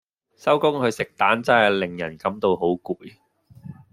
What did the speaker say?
收工去食彈真係令人感到好攰